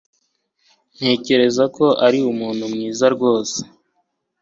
Ntekereza ko uri umuntu mwiza rwose